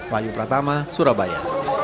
wahyu pratama surabaya